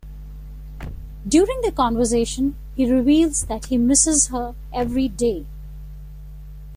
During their conversation he reveals that he misses her every day.